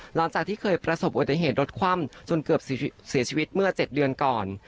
หลังจากที่เคยประสบอุบัติเหตุรถคว่ำจนเกือบเสียชีวิตเมื่อ๗เดือนก่อน